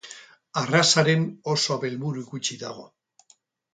Arrazaren oso abelburu gutxi dago.